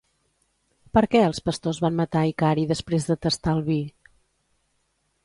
Per què els pastors van matar Icari després de tastar el vi?